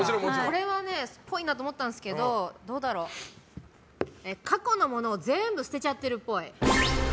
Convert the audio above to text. これはっぽいなと思ったんですけど過去の物を全部捨てちゃってるっぽい。